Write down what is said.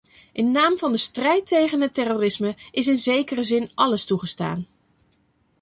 In naam van de strijd tegen het terrorisme is in zekere zin alles toegestaan.